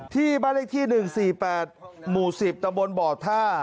ที่บ้านเลขที่๑๔๘หมู่๑๐ตำบลบ่อท่า